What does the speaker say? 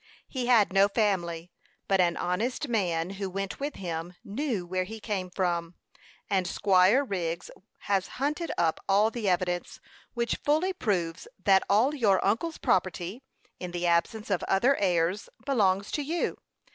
He had no family; but an honest man who went with him knew where he came from; and Squire Wriggs has hunted up all the evidence, which fully proves that all your uncle's property, in the absence of other heirs, belongs to you.